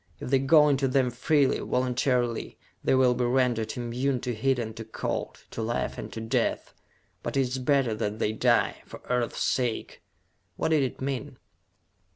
If they go into them freely, voluntarily, they will be rendered immune to heat and to cold, to life and to death. But it is better that they die, for Earth's sake!" What did it mean?